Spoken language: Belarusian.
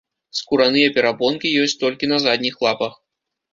Скураныя перапонкі ёсць толькі на задніх лапах.